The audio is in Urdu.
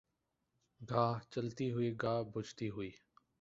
گاہ جلتی ہوئی گاہ بجھتی ہوئی